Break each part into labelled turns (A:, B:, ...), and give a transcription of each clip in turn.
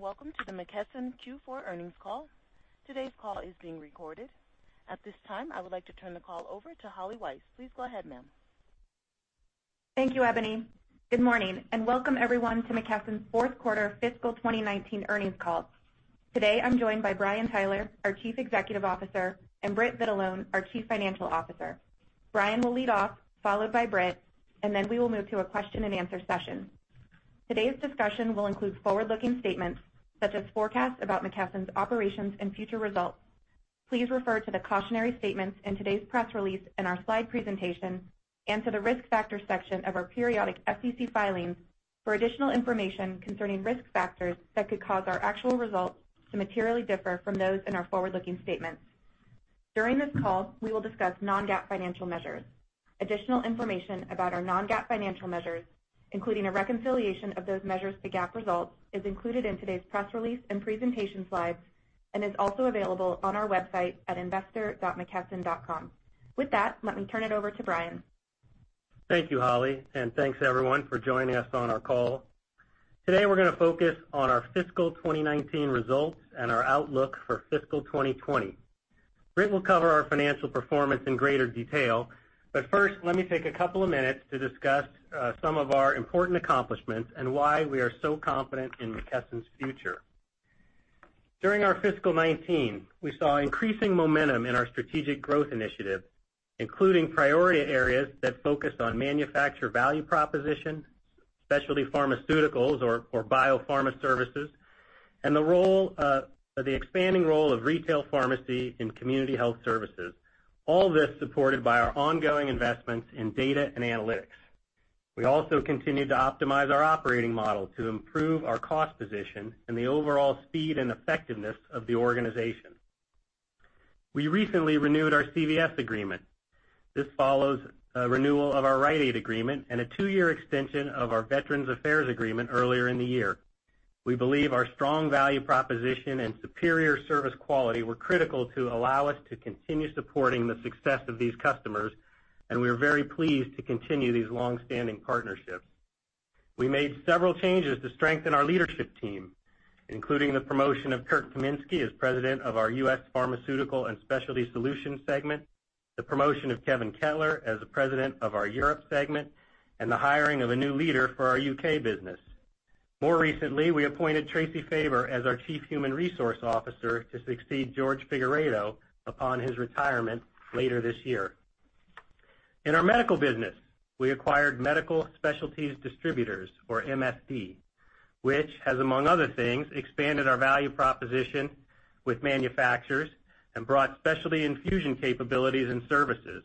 A: Welcome to the McKesson Q4 earnings call. Today's call is being recorded. At this time, I would like to turn the call over to Holly Weiss. Please go ahead, ma'am.
B: Thank you, Ebony. Good morning. Welcome everyone to McKesson's fourth quarter fiscal 2019 earnings call. Today, I'm joined by Brian Tyler, our Chief Executive Officer, and Britt Vitalone, our Chief Financial Officer. Brian will lead off, followed by Britt. Then we will move to a question and answer session. Today's discussion will include forward-looking statements, such as forecasts about McKesson's operations and future results. Please refer to the cautionary statements in today's press release and our slide presentation, and to the risk factor section of our periodic SEC filings for additional information concerning risk factors that could cause our actual results to materially differ from those in our forward-looking statements. During this call, we will discuss non-GAAP financial measures. Additional information about our non-GAAP financial measures, including a reconciliation of those measures to GAAP results, is included in today's press release and presentation slides, and is also available on our website at investor.mckesson.com. With that, let me turn it over to Brian.
C: Thank you, Holly. Thanks, everyone, for joining us on our call. Today, we're going to focus on our fiscal 2019 results and our outlook for fiscal 2020. Britt will cover our financial performance in greater detail. First, let me take a couple of minutes to discuss some of our important accomplishments and why we are so confident in McKesson's future. During our fiscal 2019, we saw increasing momentum in our strategic growth initiatives, including priority areas that focused on manufacturer value proposition, specialty pharmaceuticals or biopharma services, and the expanding role of retail pharmacy in community health services, all this supported by our ongoing investments in data and analytics. We also continued to optimize our operating model to improve our cost position and the overall speed and effectiveness of the organization. We recently renewed our CVS agreement. This follows a renewal of our Rite Aid agreement and a 2-year extension of our Veterans Affairs agreement earlier in the year. We believe our strong value proposition and superior service quality were critical to allow us to continue supporting the success of these customers, and we are very pleased to continue these long-standing partnerships. We made several changes to strengthen our leadership team, including the promotion of Kirk Kaminsky as President of our U.S. Pharmaceutical and Specialty Solutions segment, the promotion of Kevin Kettler as the President of our Europe segment, and the hiring of a new leader for our U.K. business. More recently, we appointed Tracy Faber as our Chief Human Resources Officer to succeed Jorge Figueredo upon his retirement later this year. In our medical business, we acquired Medical Specialties Distributors, or MSD, which has, among other things, expanded our value proposition with manufacturers and brought specialty infusion capabilities and services.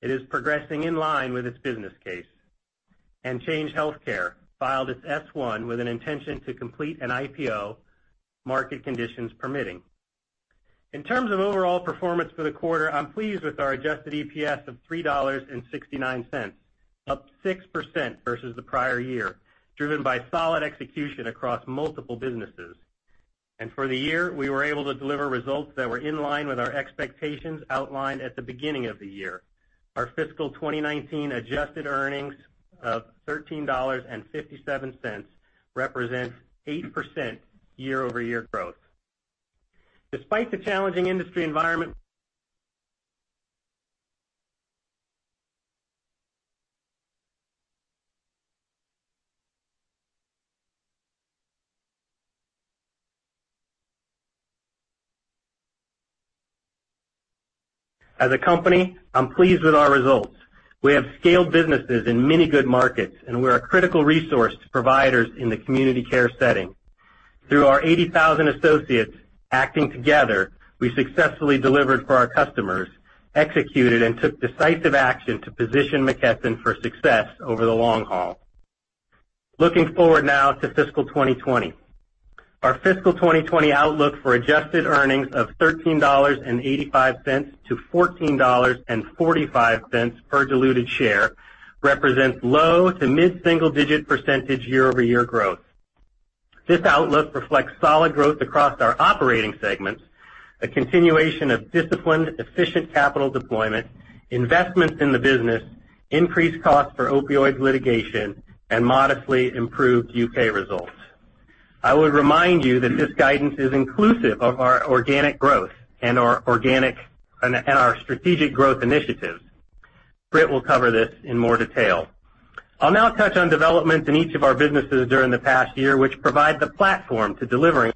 C: It is progressing in line with its business case. Change Healthcare filed its S-1 with an intention to complete an IPO, market conditions permitting. In terms of overall performance for the quarter, I'm pleased with our adjusted EPS of $3.69, up 6% versus the prior year, driven by solid execution across multiple businesses. For the year, we were able to deliver results that were in line with our expectations outlined at the beginning of the year. Our fiscal 2019 adjusted earnings of $13.57 represent 8% year-over-year growth. Despite the challenging industry environment. As a company, I'm pleased with our results. We have scaled businesses in many good markets, and we're a critical resource to providers in the community care setting. Through our 80,000 associates acting together, we successfully delivered for our customers, executed, and took decisive action to position McKesson for success over the long haul. Looking forward now to fiscal 2020. Our fiscal 2020 outlook for adjusted earnings of $13.85-$14.45 per diluted share represents low to mid-single digit % year-over-year growth. This outlook reflects solid growth across our operating segments, a continuation of disciplined, efficient capital deployment, investments in the business, increased costs for opioid litigation, and modestly improved U.K. results. I would remind you that this guidance is inclusive of our organic growth and our strategic growth initiatives. Britt will cover this in more detail. I'll now touch on developments in each of our businesses during the past year, which provide the platform to delivering.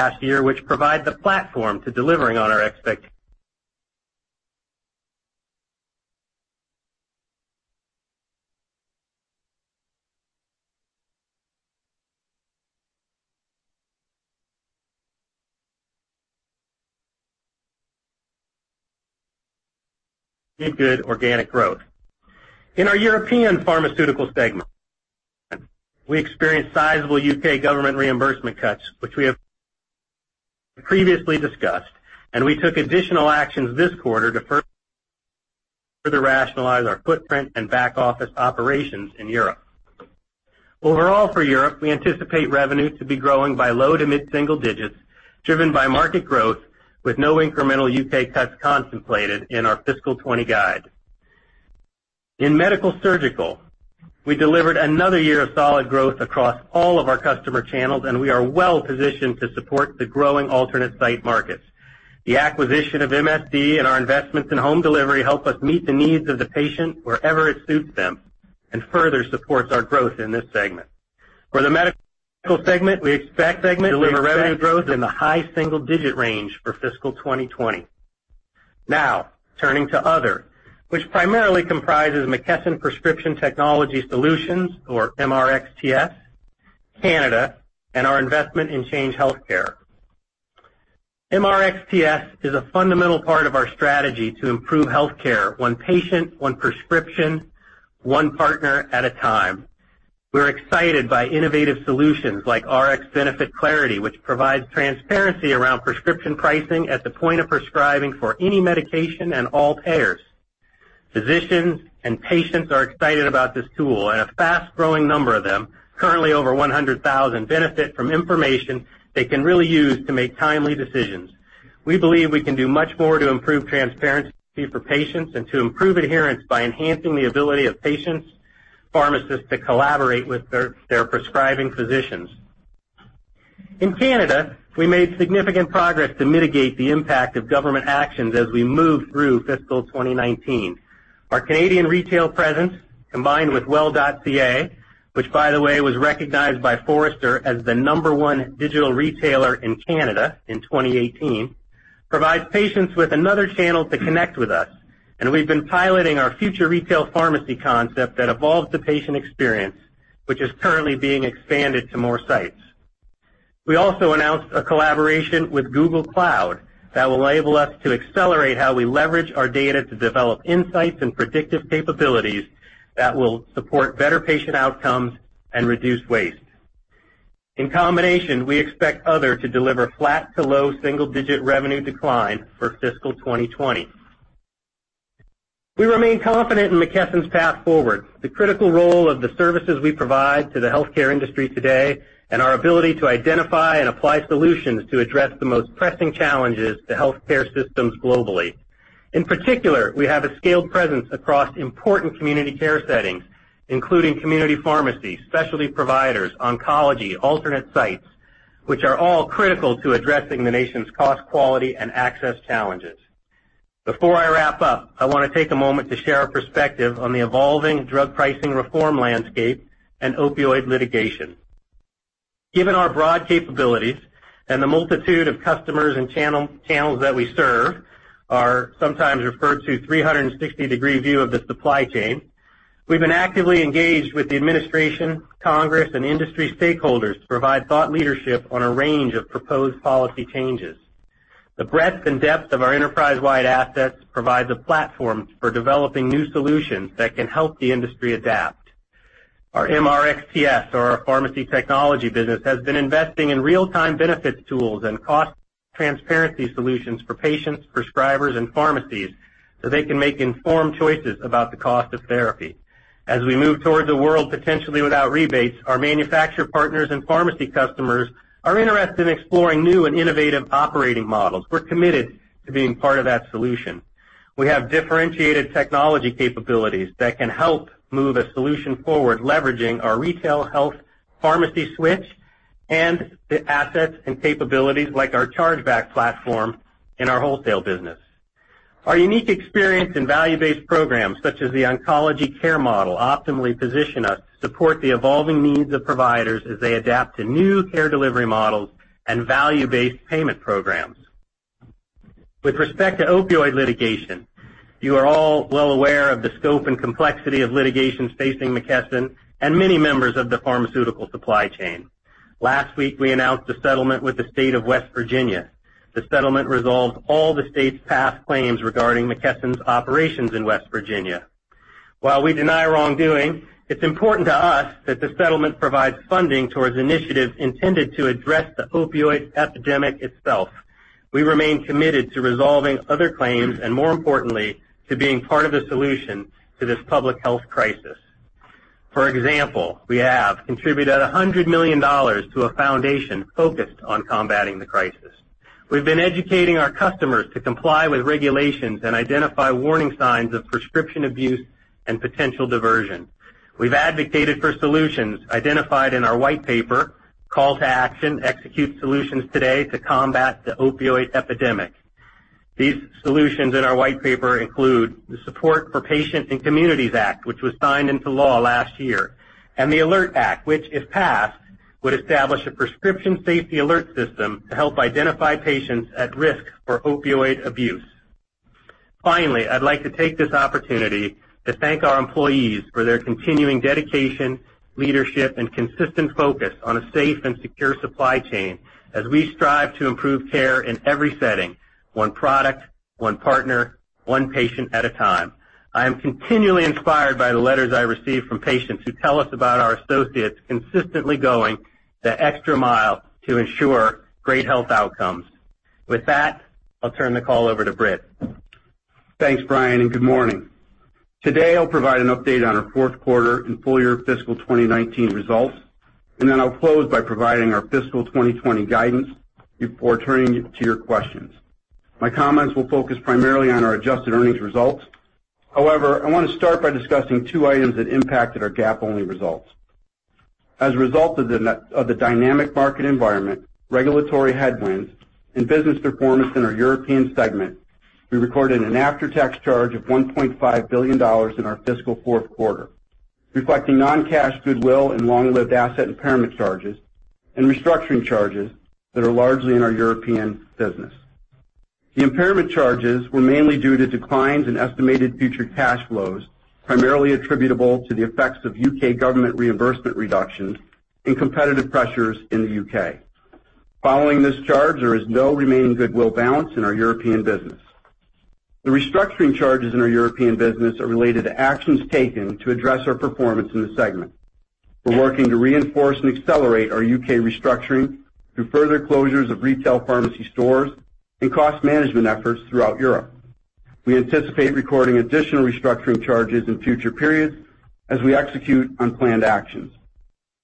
C: Past year, which provide the platform to delivering on our expect-Mid-good organic growth. In our European pharmaceutical segment, we experienced sizable U.K. government reimbursement cuts, which we have previously discussed, and we took additional actions this quarter to further rationalize our footprint and back-office operations in Europe. Overall, for Europe, we anticipate revenue to be growing by low to mid-single digits, driven by market growth with no incremental U.K. cuts contemplated in our fiscal 2020 guide. In medical surgical, we delivered another year of solid growth across all of our customer channels, and we are well-positioned to support the growing alternate site markets. The acquisition of MSD and our investments in home delivery help us meet the needs of the patient wherever it suits them and further supports our growth in this segment. For the medical segment, we expect segment to deliver revenue growth in the high single-digit range for fiscal 2020. Turning to other, which primarily comprises McKesson Prescription Technology Solutions or MRxTS, Canada, and our investment in Change Healthcare. MRxTS is a fundamental part of our strategy to improve healthcare one patient, one prescription, one partner at a time. We're excited by innovative solutions like RxBenefit Clarity, which provides transparency around prescription pricing at the point of prescribing for any medication and all payers. Physicians and patients are excited about this tool, and a fast-growing number of them, currently over 100,000, benefit from information they can really use to make timely decisions. We believe we can do much more to improve transparency for patients and to improve adherence by enhancing the ability of patients, pharmacists to collaborate with their prescribing physicians. In Canada, we made significant progress to mitigate the impact of government actions as we move through fiscal 2019. Our Canadian retail presence, combined with Well.ca, which by the way, was recognized by Forrester as the number one digital retailer in Canada in 2018, provides patients with another channel to connect with us. We've been piloting our future retail pharmacy concept that evolves the patient experience, which is currently being expanded to more sites. We also announced a collaboration with Google Cloud that will enable us to accelerate how we leverage our data to develop insights and predictive capabilities that will support better patient outcomes and reduce waste. In combination, we expect other to deliver flat to low single-digit revenue decline for fiscal 2020. We remain confident in McKesson's path forward, the critical role of the services we provide to the healthcare industry today, and our ability to identify and apply solutions to address the most pressing challenges to healthcare systems globally. In particular, we have a scaled presence across important community care settings, including community pharmacy, specialty providers, oncology, alternate sites, which are all critical to addressing the nation's cost, quality, and access challenges. Before I wrap up, I want to take a moment to share a perspective on the evolving drug pricing reform landscape and opioid litigation. Given our broad capabilities and the multitude of customers and channels that we serve are sometimes referred to 360-degree view of the supply chain, we've been actively engaged with the administration, Congress, and industry stakeholders to provide thought leadership on a range of proposed policy changes. The breadth and depth of our enterprise-wide assets provides a platform for developing new solutions that can help the industry adapt. Our MRxTS or our pharmacy technology business has been investing in real-time benefits tools and cost transparency solutions for patients, prescribers, and pharmacies so they can make informed choices about the cost of therapy. As we move towards a world potentially without rebates, our manufacturer partners and pharmacy customers are interested in exploring new and innovative operating models. We're committed to being part of that solution. We have differentiated technology capabilities that can help move a solution forward, leveraging our retail health pharmacy switch and the assets and capabilities like our chargeback platform in our wholesale business. Our unique experience in value-based programs such as the Oncology Care Model optimally position us to support the evolving needs of providers as they adapt to new care delivery models and value-based payment programs. With respect to opioid litigation, you are all well aware of the scope and complexity of litigations facing McKesson and many members of the pharmaceutical supply chain. Last week, we announced a settlement with the State of West Virginia. The settlement resolved all the state's past claims regarding McKesson's operations in West Virginia. While we deny wrongdoing, it's important to us that the settlement provides funding towards initiatives intended to address the opioid epidemic itself. We remain committed to resolving other claims and, more importantly, to being part of the solution to this public health crisis. For example, we have contributed $100 million to a foundation focused on combating the crisis. We've been educating our customers to comply with regulations and identify warning signs of prescription abuse and potential diversion. We've advocated for solutions identified in our white paper, Call to Action: Execute Solutions Today to Combat the Opioid Epidemic. These solutions in our white paper include the SUPPORT for Patients and Communities Act, which was signed into law last year, and the ALERT Act, which, if passed, would establish a prescription safety alert system to help identify patients at risk for opioid abuse. Finally, I'd like to take this opportunity to thank our employees for their continuing dedication, leadership, and consistent focus on a safe and secure supply chain as we strive to improve care in every setting, one product, one partner at a time. One patient at a time. I am continually inspired by the letters I receive from patients who tell us about our associates consistently going the extra mile to ensure great health outcomes. With that, I'll turn the call over to Britt.
D: Thanks, Brian. Good morning. Today, I'll provide an update on our fourth quarter and full year fiscal 2019 results. Then I'll close by providing our fiscal 2020 guidance before turning to your questions. My comments will focus primarily on our adjusted earnings results. However, I want to start by discussing two items that impacted our GAAP-only results. As a result of the dynamic market environment, regulatory headwinds, and business performance in our European segment, we recorded an after-tax charge of $1.5 billion in our fiscal fourth quarter, reflecting non-cash goodwill and long-lived asset impairment charges and restructuring charges that are largely in our European business. The impairment charges were mainly due to declines in estimated future cash flows, primarily attributable to the effects of U.K. government reimbursement reductions and competitive pressures in the U.K. Following this charge, there is no remaining goodwill balance in our European business. The restructuring charges in our European business are related to actions taken to address our performance in the segment. We're working to reinforce and accelerate our U.K. restructuring through further closures of retail pharmacy stores and cost management efforts throughout Europe. We anticipate recording additional restructuring charges in future periods as we execute on planned actions.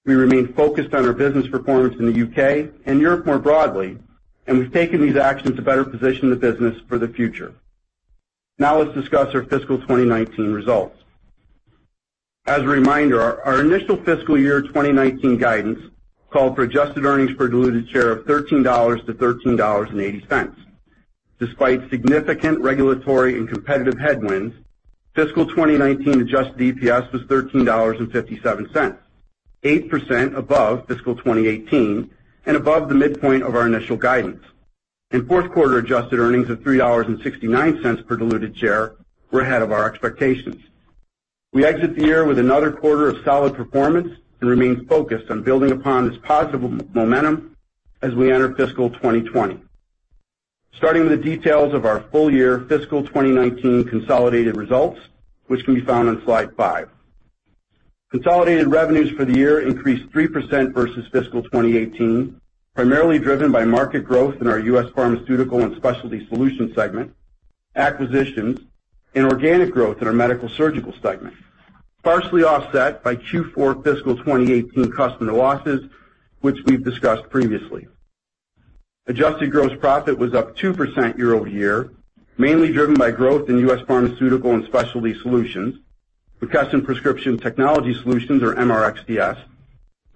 D: We remain focused on our business performance in the U.K. and Europe more broadly, and we've taken these actions to better position the business for the future. Now let's discuss our fiscal 2019 results. As a reminder, our initial fiscal year 2019 guidance called for adjusted earnings per diluted share of $13-$13.80. Despite significant regulatory and competitive headwinds, fiscal 2019 adjusted EPS was $13.57, 8% above fiscal 2018 and above the midpoint of our initial guidance. In fourth quarter, adjusted earnings of $3.69 per diluted share were ahead of our expectations. We exit the year with another quarter of solid performance and remain focused on building upon this positive momentum as we enter fiscal 2020. Starting with the details of our full-year fiscal 2019 consolidated results, which can be found on slide five. Consolidated revenues for the year increased 3% versus fiscal 2018, primarily driven by market growth in our U.S. Pharmaceutical and Specialty Solutions segment, acquisitions, and organic growth in our Medical-Surgical Solutions segment, partially offset by Q4 fiscal 2018 customer losses, which we've discussed previously. Adjusted gross profit was up 2% year-over-year, mainly driven by growth in U.S. Pharmaceutical and Specialty Solutions with McKesson Prescription Technology Solutions, or MRxTS,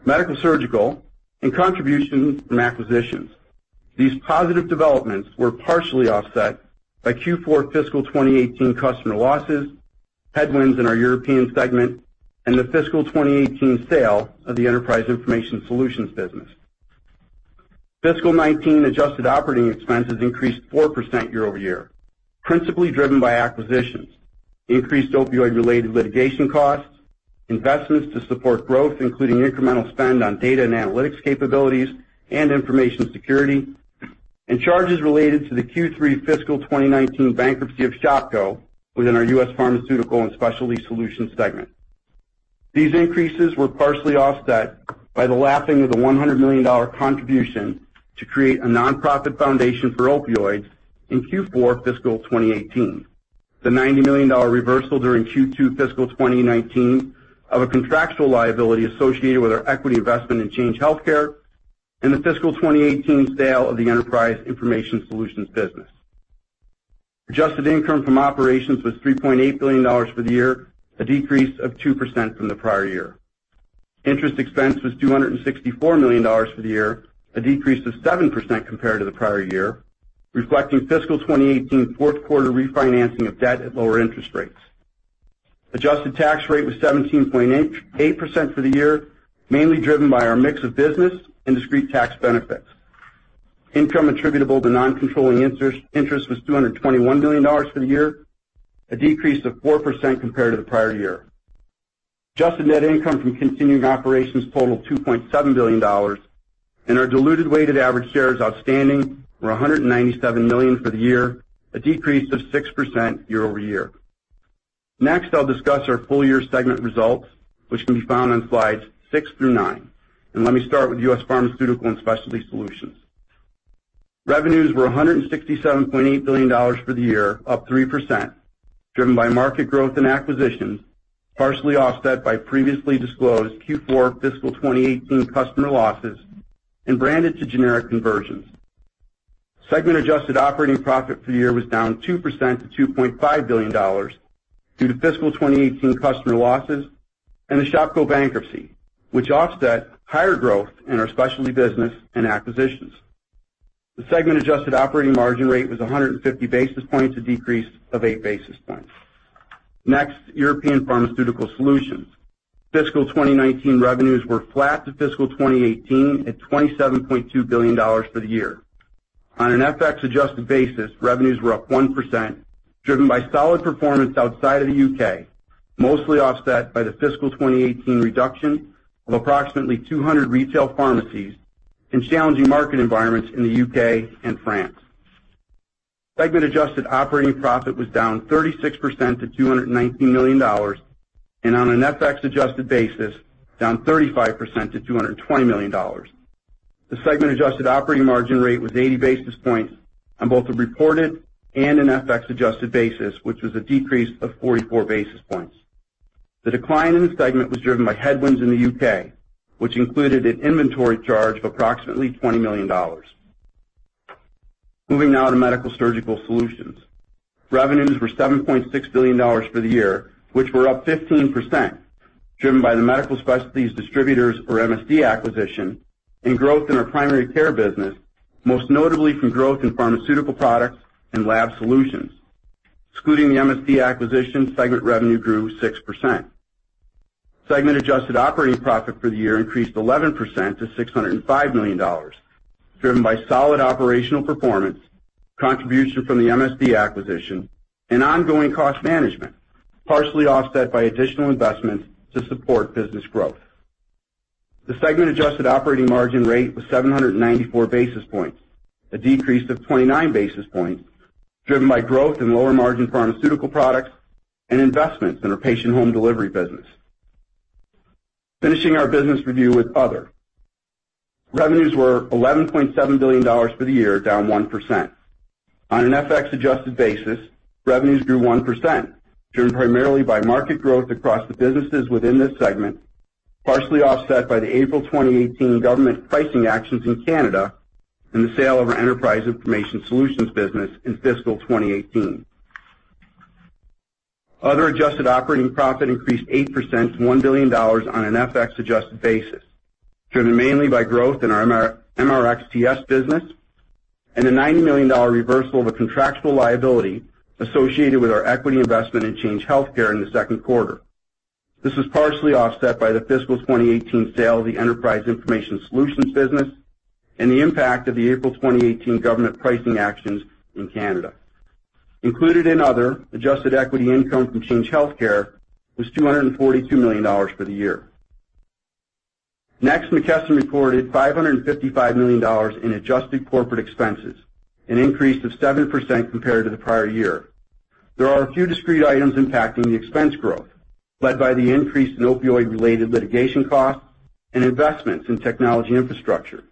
D: Medical-Surgical Solutions, and contributions from acquisitions. These positive developments were partially offset by Q4 fiscal 2018 customer losses, headwinds in our European Pharmaceutical Solutions segment, and the fiscal 2018 sale of the Enterprise Information Solutions business. Fiscal 2019 adjusted operating expenses increased 4% year-over-year, principally driven by acquisitions, increased opioid-related litigation costs, investments to support growth, including incremental spend on data and analytics capabilities and information security, and charges related to the Q3 fiscal 2019 bankruptcy of Shopko within our U.S. Pharmaceutical and Specialty Solutions segment. These increases were partially offset by the lapping of the $100 million contribution to create a nonprofit foundation for opioids in Q4 fiscal 2018, the $90 million reversal during Q2 fiscal 2019 of a contractual liability associated with our equity investment in Change Healthcare, and the fiscal 2018 sale of the Enterprise Information Solutions business. Adjusted income from operations was $3.8 billion for the year, a decrease of 2% from the prior year. Interest expense was $264 million for the year, a decrease of 7% compared to the prior year, reflecting fiscal 2018 fourth quarter refinancing of debt at lower interest rates. Adjusted tax rate was 17.8% for the year, mainly driven by our mix of business and discrete tax benefits. Income attributable to non-controlling interest was $221 million for the year, a decrease of 4% compared to the prior year. Adjusted net income from continuing operations totaled $2.7 billion, and our diluted weighted average shares outstanding were 197 million for the year, a decrease of 6% year-over-year. Next, I'll discuss our full-year segment results, which can be found on slides six through nine. Let me start with U.S. Pharmaceutical and Specialty Solutions. Revenues were $167.8 billion for the year, up 3%, driven by market growth and acquisitions, partially offset by previously disclosed Q4 fiscal 2018 customer losses in branded to generic conversions. Segment adjusted operating profit for the year was down 2% to $2.5 billion due to fiscal 2018 customer losses and the Shopko bankruptcy, which offset higher growth in our specialty business and acquisitions. The segment adjusted operating margin rate was 150 basis points, a decrease of eight basis points. Next, European Pharmaceutical Solutions. Fiscal 2019 revenues were flat to fiscal 2018 at $27.2 billion for the year. On an FX-adjusted basis, revenues were up 1%, driven by solid performance outside of the U.K., mostly offset by the fiscal 2018 reduction of approximately 200 retail pharmacies and challenging market environments in the U.K. and France. Segment adjusted operating profit was down 36% to $219 million, and on an FX-adjusted basis, down 35% to $220 million. The segment adjusted operating margin rate was 80 basis points on both the reported and an FX-adjusted basis, which was a decrease of 44 basis points. The decline in the segment was driven by headwinds in the U.K., which included an inventory charge of approximately $20 million. Moving now to Medical-Surgical Solutions. Revenues were $7.6 billion for the year, which were up 15%, driven by the Medical Specialties Distributors, or MSD acquisition, and growth in our primary care business, most notably from growth in pharmaceutical products and lab solutions. Excluding the MSD acquisition, segment revenue grew 6%. Segment adjusted operating profit for the year increased 11% to $605 million, driven by solid operational performance, contribution from the MSD acquisition, and ongoing cost management, partially offset by additional investments to support business growth. The segment adjusted operating margin rate was 794 basis points, a decrease of 29 basis points, driven by growth in lower margin pharmaceutical products and investments in our patient home delivery business. Finishing our business review with Other. Revenues were $11.7 billion for the year, down 1%. On an FX-adjusted basis, revenues grew 1%, driven primarily by market growth across the businesses within this segment, partially offset by the April 2018 government pricing actions in Canada and the sale of our Enterprise Information Solutions business in fiscal 2018. Other adjusted operating profit increased 8% to $1 billion on an FX-adjusted basis, driven mainly by growth in our MRxTS business and a $90 million reversal of a contractual liability associated with our equity investment in Change Healthcare in the second quarter. This was partially offset by the fiscal 2018 sale of the Enterprise Information Solutions business and the impact of the April 2018 government pricing actions in Canada. Included in Other, adjusted equity income from Change Healthcare was $242 million for the year. Next, McKesson reported $555 million in adjusted corporate expenses, an increase of 7% compared to the prior year. There are a few discrete items impacting the expense growth, led by the increase in opioid-related litigation costs and investments in technology infrastructure.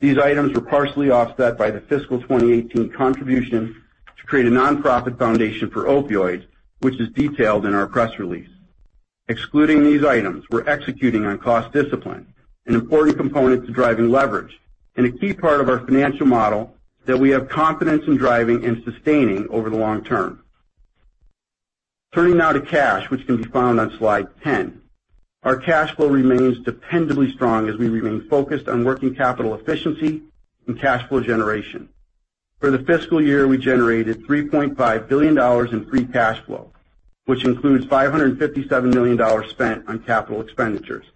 D: These items were partially offset by the fiscal 2018 contribution to create a nonprofit foundation for opioids, which is detailed in our press release. Excluding these items, we're executing on cost discipline, an important component to driving leverage and a key part of our financial model that we have confidence in driving and sustaining over the long term. Turning now to cash, which can be found on slide 10. Our cash flow remains dependably strong as we remain focused on working capital efficiency and cash flow generation. For the fiscal year, we generated $3.5 billion in free cash flow, which includes $557 million spent on capital expenditures.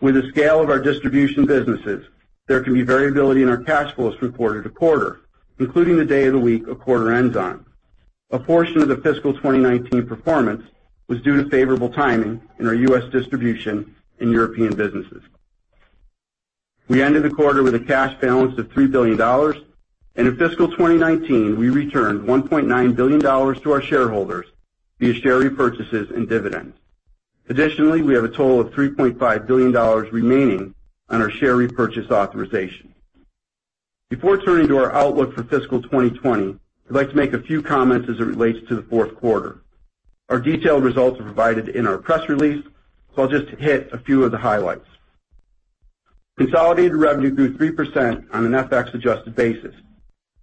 D: With the scale of our distribution businesses, there can be variability in our cash flows reported a quarter, including the day of the week a quarter ends on. A portion of the fiscal 2019 performance was due to favorable timing in our U.S. distribution and European businesses. We ended the quarter with a cash balance of $3 billion. In fiscal 2019, we returned $1.9 billion to our shareholders via share repurchases and dividends. Additionally, we have a total of $3.5 billion remaining on our share repurchase authorization. Before turning to our outlook for fiscal 2020, I'd like to make a few comments as it relates to the fourth quarter. Our detailed results are provided in our press release, I'll just hit a few of the highlights. Consolidated revenue grew 3% on an FX adjusted basis.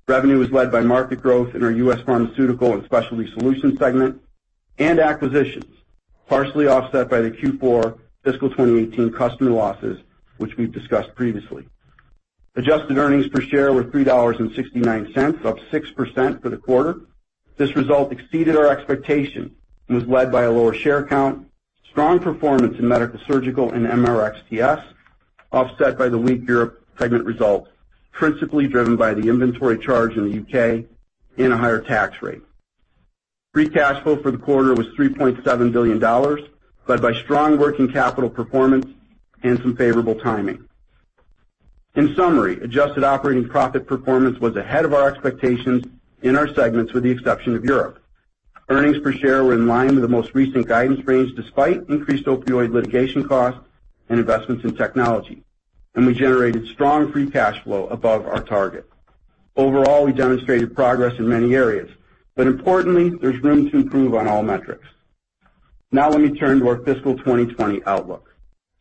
D: Revenue was led by market growth in our U.S. Pharmaceutical and Specialty Solutions segment and acquisitions, partially offset by the Q4 fiscal 2018 customer losses, which we've discussed previously. Adjusted earnings per share were $3.69, up 6% for the quarter. This result exceeded our expectations and was led by a lower share count, strong performance in Medical-Surgical and MRxTS, offset by the weak Europe segment results, principally driven by the inventory charge in the U.K. and a higher tax rate. Free cash flow for the quarter was $3.7 billion, led by strong working capital performance and some favorable timing. In summary, adjusted operating profit performance was ahead of our expectations in our segments, with the exception of Europe. Earnings per share were in line with the most recent guidance range, despite increased opioid litigation costs and investments in technology. We generated strong free cash flow above our target. Overall, we demonstrated progress in many areas, importantly, there's room to improve on all metrics. Now let me turn to our fiscal 2020 outlook.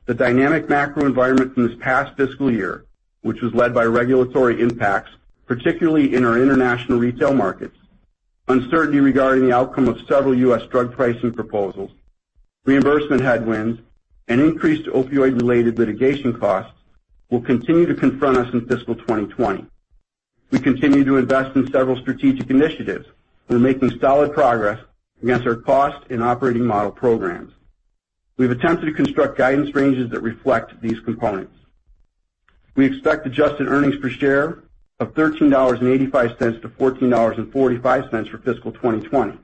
D: The dynamic macro environment from this past fiscal year, which was led by regulatory impacts, particularly in our international retail markets, uncertainty regarding the outcome of several U.S. drug pricing proposals, reimbursement headwinds, and increased opioid-related litigation costs will continue to confront us in fiscal 2020. We continue to invest in several strategic initiatives. We're making solid progress against our cost and operating model programs. We've attempted to construct guidance ranges that reflect these components. We expect adjusted earnings per share of $13.85-$14.45 for fiscal 2020,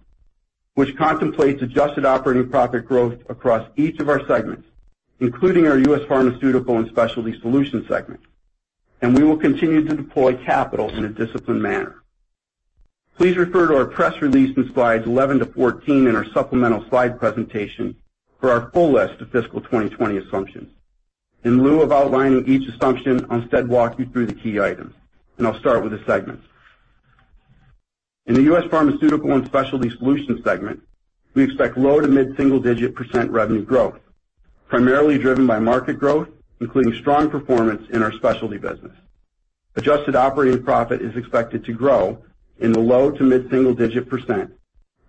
D: which contemplates adjusted operating profit growth across each of our segments, including our U.S. Pharmaceutical and Specialty Solutions segment. We will continue to deploy capital in a disciplined manner. Please refer to our press release in Slides 11-14 in our supplemental slide presentation for our full list of fiscal 2020 assumptions. In lieu of outlining each assumption, I will instead walk you through the key items. I will start with the segments. In the U.S. Pharmaceutical and Specialty Solutions segment, we expect low to mid-single digit % revenue growth, primarily driven by market growth, including strong performance in our specialty business. Adjusted operating profit is expected to grow in the low to mid-single digit %,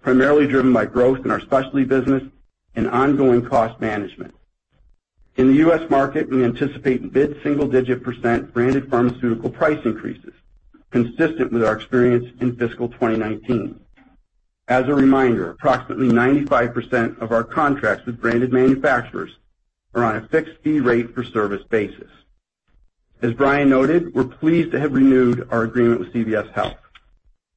D: primarily driven by growth in our specialty business and ongoing cost management. In the U.S. market, we anticipate mid-single digit % branded pharmaceutical price increases consistent with our experience in fiscal 2019. As a reminder, approximately 95% of our contracts with branded manufacturers are on a fixed fee rate per service basis. As Brian noted, we are pleased to have renewed our agreement with CVS Health.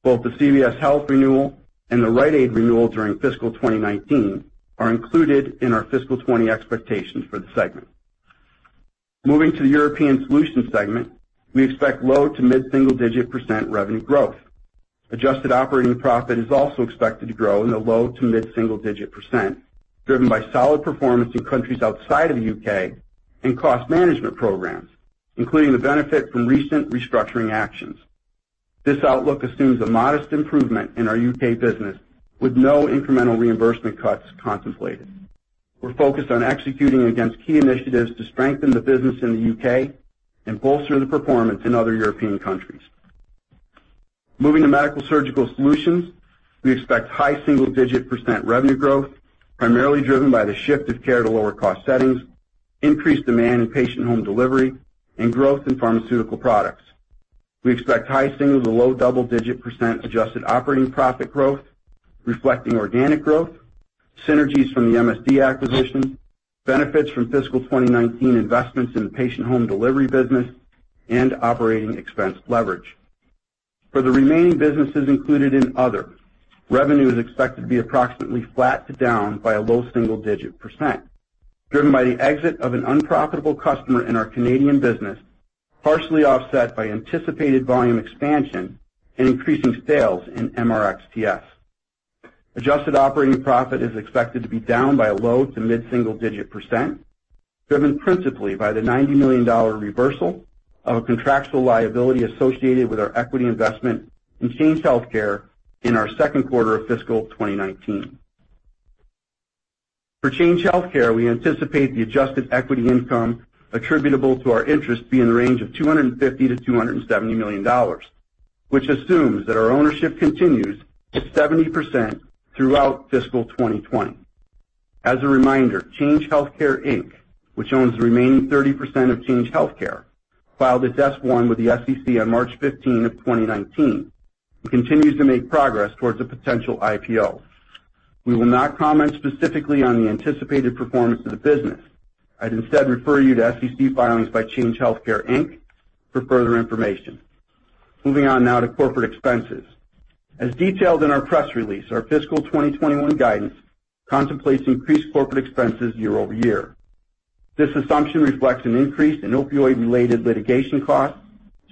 D: Both the CVS Health renewal and the Rite Aid renewal during fiscal 2019 are included in our fiscal 2020 expectations for the segment. Moving to the European Solutions segment, we expect low to mid-single digit % revenue growth. Adjusted operating profit is also expected to grow in the low to mid-single digit %, driven by solid performance in countries outside of the U.K. and cost management programs, including the benefit from recent restructuring actions. This outlook assumes a modest improvement in our U.K. business with no incremental reimbursement cuts contemplated. We are focused on executing against key initiatives to strengthen the business in the U.K. and bolster the performance in other European countries. Moving to Medical-Surgical Solutions, we expect high single-digit % revenue growth, primarily driven by the shift of care to lower-cost settings, increased demand in patient home delivery, and growth in pharmaceutical products. We expect high single to low double-digit % adjusted operating profit growth, reflecting organic growth, synergies from the MSD acquisition, benefits from fiscal 2019 investments in the patient home delivery business, and operating expense leverage. For the remaining businesses included in other, revenue is expected to be approximately flat to down by a low single digit %, driven by the exit of an unprofitable customer in our Canadian business, partially offset by anticipated volume expansion and increasing sales in MRxTS. Adjusted operating profit is expected to be down by a low to mid-single digit %, driven principally by the $90 million reversal of a contractual liability associated with our equity investment in Change Healthcare in our second quarter of fiscal 2019. For Change Healthcare, we anticipate the adjusted equity income attributable to our interest be in the range of $250 million-$270 million, which assumes that our ownership continues at 70% throughout fiscal 2020. As a reminder, Change Healthcare Inc. which owns the remaining 30% of Change Healthcare, filed its S-1 with the SEC on March 15th, 2019 and continues to make progress towards a potential IPO. We will not comment specifically on the anticipated performance of the business. I would instead refer you to SEC filings by Change Healthcare Inc. for further information. Moving on now to corporate expenses. As detailed in our press release, our fiscal 2020 guidance contemplates increased corporate expenses year-over-year. This assumption reflects an increase in opioid-related litigation costs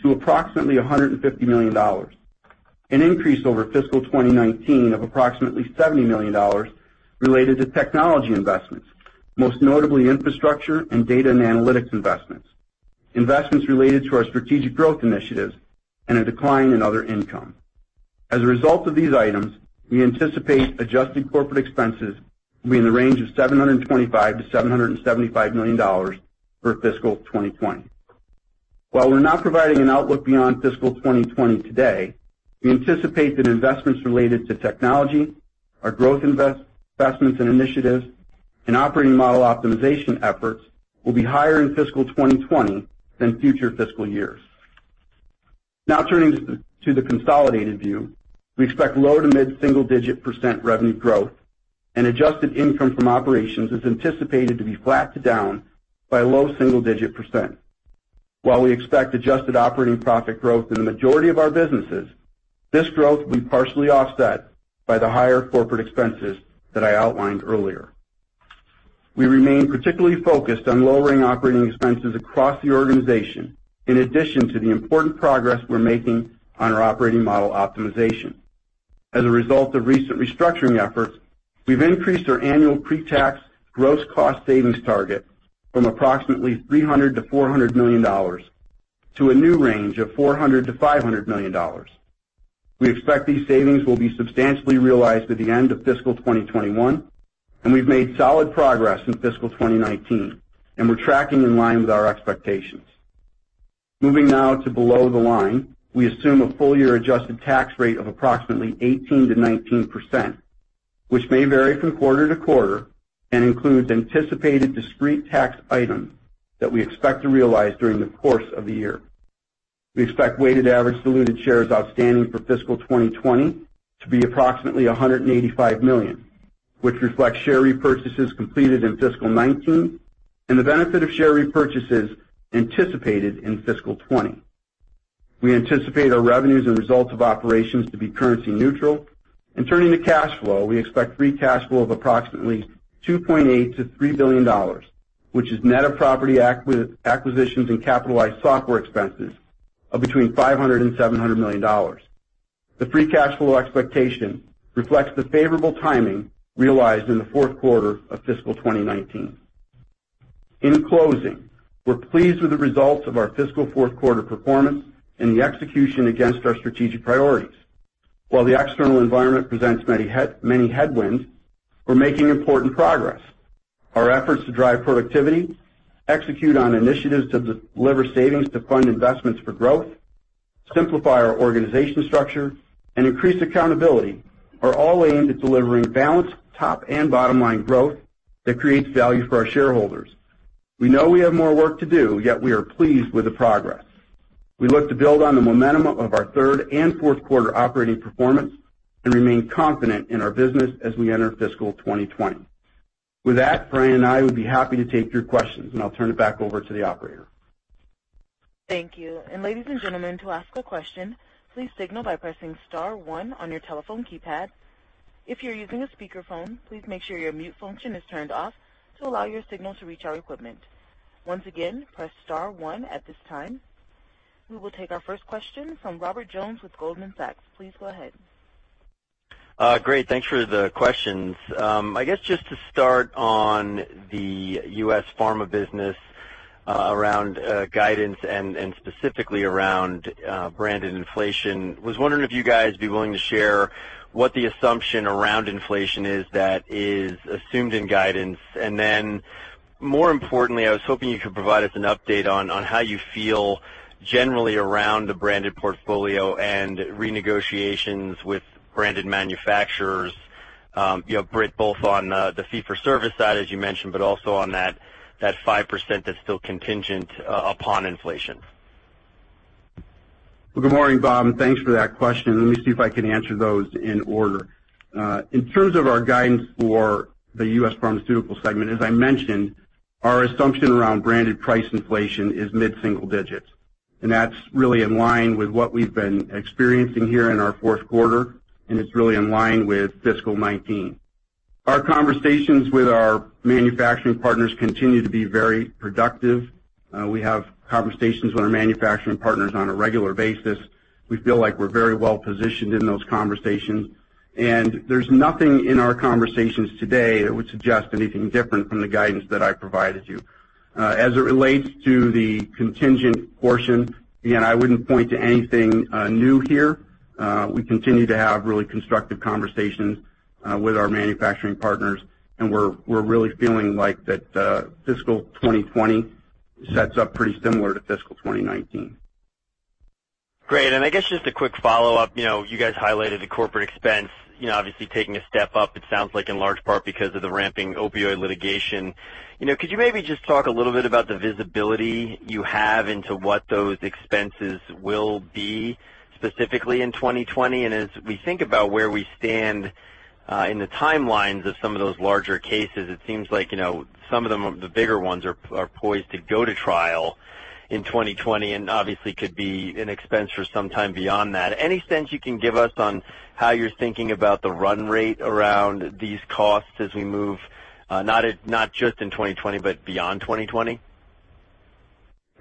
D: to approximately $150 million, an increase over fiscal 2019 of approximately $70 million related to technology investments, most notably infrastructure and data and analytics investments related to our strategic growth initiatives, and a decline in other income. As a result of these items, we anticipate adjusted corporate expenses will be in the range of $725 million-$775 million for fiscal 2020. While we're not providing an outlook beyond fiscal 2020 today, we anticipate that investments related to technology, our growth investments and initiatives, and operating model optimization efforts will be higher in fiscal 2020 than future fiscal years. Turning to the consolidated view, we expect low-to-mid single-digit percent revenue growth, and adjusted income from operations is anticipated to be flat to down by a low single-digit percent. While we expect adjusted operating profit growth in the majority of our businesses, this growth will be partially offset by the higher corporate expenses that I outlined earlier. We remain particularly focused on lowering operating expenses across the organization, in addition to the important progress we're making on our operating model optimization. As a result of recent restructuring efforts, we've increased our annual pre-tax gross cost savings target from approximately $300 million-$400 million to a new range of $400 million-$500 million. We expect these savings will be substantially realized at the end of fiscal 2020. We've made solid progress in fiscal 2019. We're tracking in line with our expectations. Below the line, we assume a full-year adjusted tax rate of approximately 18%-19%, which may vary from quarter to quarter and includes anticipated discrete tax items that we expect to realize during the course of the year. We expect weighted average diluted shares outstanding for fiscal 2020 to be approximately 185 million, which reflects share repurchases completed in fiscal 2019 and the benefit of share repurchases anticipated in fiscal 2020. We anticipate our revenues and results of operations to be currency neutral. Turning to cash flow, we expect free cash flow of approximately $2.8 billion-$3 billion, which is net of property acquisitions and capitalized software expenses of between $500 million and $700 million. The free cash flow expectation reflects the favorable timing realized in the fourth quarter of fiscal 2019. In closing, we're pleased with the results of our fiscal fourth quarter performance and the execution against our strategic priorities. While the external environment presents many headwinds, we're making important progress. Our efforts to drive productivity, execute on initiatives to deliver savings to fund investments for growth, simplify our organization structure, and increase accountability are all aimed at delivering balanced top-and bottom-line growth that creates value for our shareholders. We know we have more work to do, yet we are pleased with the progress. We look to build on the momentum of our third and fourth quarter operating performance and remain confident in our business as we enter fiscal 2020. With that, Brian and I would be happy to take your questions. I'll turn it back over to the operator.
A: Thank you. Ladies and gentlemen, to ask a question, please signal by pressing star 1 on your telephone keypad. If you're using a speakerphone, please make sure your mute function is turned off to allow your signal to reach our equipment. Once again, press star 1 at this time. We will take our first question from Robert Jones with Goldman Sachs. Please go ahead.
E: Great. Thanks for the questions. I guess, just to start on the U.S. Pharmaceutical business, around guidance and specifically around branded inflation, was wondering if you guys would be willing to share what the assumption around inflation is that is assumed in guidance. More importantly, I was hoping you could provide us an update on how you feel generally around the branded portfolio and renegotiations with branded manufacturers, Britt, both on the fee for service side, as you mentioned, but also on that 5% that's still contingent upon inflation.
D: Good morning, Bob, thanks for that question. Let me see if I can answer those in order. In terms of our guidance for the U.S. Pharmaceutical segment, as I mentioned, our assumption around branded price inflation is mid-single digits, that's really in line with what we've been experiencing here in our fourth quarter, it's really in line with fiscal 2019. Our conversations with our manufacturing partners continue to be very productive. We have conversations with our manufacturing partners on a regular basis. We feel like we're very well-positioned in those conversations, there's nothing in our conversations today that would suggest anything different from the guidance that I provided you. As it relates to the contingent portion, again, I wouldn't point to anything new here. We continue to have really constructive conversations, with our manufacturing partners, we're really feeling like that fiscal 2020 sets up pretty similar to fiscal 2019.
E: I guess just a quick follow-up. You guys highlighted the corporate expense, obviously taking a step up, it sounds like in large part because of the ramping opioid litigation. Could you maybe just talk a little bit about the visibility you have into what those expenses will be specifically in 2020? As we think about where we stand, in the timelines of some of those larger cases, it seems like some of the bigger ones are poised to go to trial in 2020, and obviously could be an expense for some time beyond that. Any sense you can give us on how you're thinking about the run rate around these costs as we move, not just in 2020, but beyond 2020?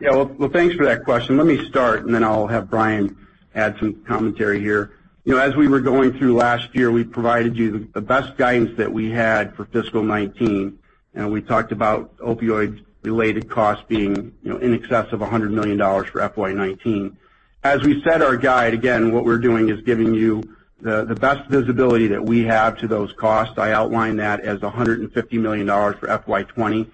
D: Well, thanks for that question. Let me start. Then I'll have Brian add some commentary here. As we were going through last year, we provided you the best guidance that we had for fiscal 2019, and we talked about opioid-related costs being in excess of $100 million for FY 2019. As we set our guide, again, what we're doing is giving you the best visibility that we have to those costs. I outlined that as $150 million for FY 2020.